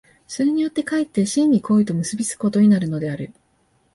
それによって却って真に行為と結び付くことになるのである。